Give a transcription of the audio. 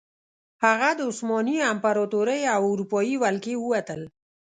هغه د عثماني امپراتورۍ او اروپايي ولکې ووتل.